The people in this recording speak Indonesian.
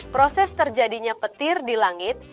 proses terjadinya petir di langit